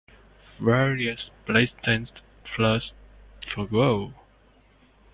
Various blatant plugs for Go!